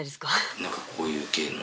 何かこういう系の。